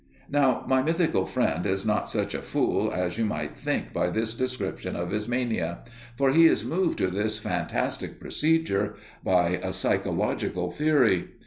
Now, my mythical friend is not such a fool as you might think by this description of his mania, for he is moved to this fantastic procedure by a psychological theory.